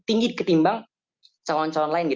tinggi ketimbang calon calon lain